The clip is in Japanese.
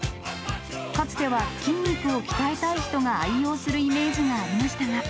かつては筋肉を鍛えたい人が愛用するイメージがありましたが。